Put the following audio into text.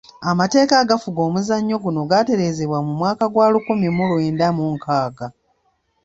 Amateeka agafuga omuzannyo guno gaatereezebwa mu mwaka gwa lukumi mu lwenda mu nkaaga.